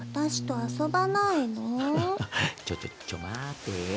ちょちょっちょ待てよ。